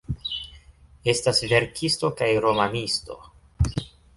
Estas verkisto kaj romanisto.